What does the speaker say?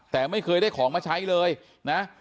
แต่ไม่เคยได้ของมาใช้เลยนะ